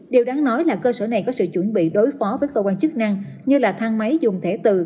điều đáng nói là cơ sở này có sự chuẩn bị đối phó với cơ quan chức năng như là thang máy dùng thẻ từ